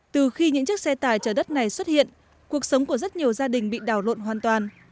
từ khi những chiếc xe tải chở đất này xuất hiện cuộc sống của rất nhiều gia đình bị đảo lộn hoàn toàn